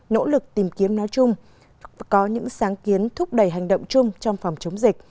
nỗ lực tìm kiếm nói chung có những sáng kiến thúc đẩy hành động chung trong phòng chống dịch